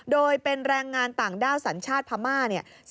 โดยเป็นแรงงานต่างด้าสัญชาติพมร์